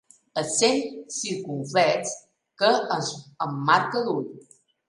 Accent circumflex que ens emmarca l'ull.